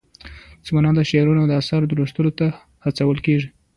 ځوانان د شاعرانو د اثارو لوستلو ته هڅول کېږي.